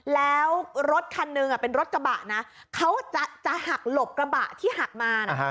แล้วรถคันหนึ่งเป็นรถกระบะนะเขาจะหักหลบกระบะที่หักมานะ